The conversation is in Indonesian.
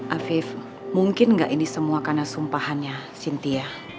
afif mungkin gak ini semua karena sumpahannya sintia